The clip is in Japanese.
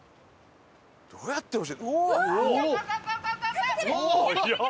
どうやって教えてうわっ！